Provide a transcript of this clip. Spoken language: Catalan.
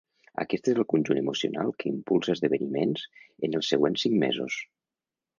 Aquest és el conjunt emocional que impulsa esdeveniments en els següents cinc mesos.